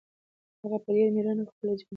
هغه په ډېر مېړانه د خپلواکۍ جنګ وګټلو.